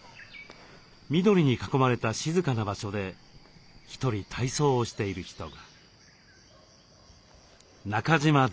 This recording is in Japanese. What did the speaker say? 緑に囲まれた静かな場所で一人体操をしている人が。